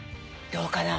どうかな？